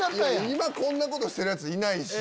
今こんなことしてるヤツいないし。